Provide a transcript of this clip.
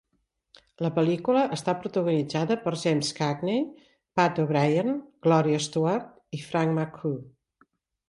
La pel·lícula està protagonitzada per James Cagney, Pat O'Brien, Gloria Stuart i Frank McHugh.